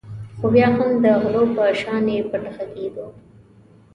خو بیا هم د غلو په شانې پټ غږېدو.